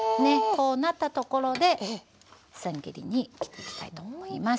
こうなったところでせん切りに切っていきたいと思います。